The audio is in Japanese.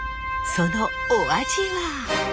そのお味は？